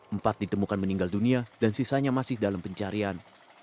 empat ditemukan meninggal dunia dan sisanya masih dalam pencarian